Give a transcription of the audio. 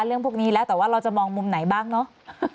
เรื่องพวกนี้แล้วแต่ว่าเราจะมองมุมไหนบ้างเนาะ